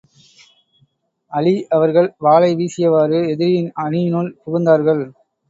அலீ அவர்கள் வாளை வீசியவாறு, எதிரியின் அணியினுள் புகுந்தார்கள்.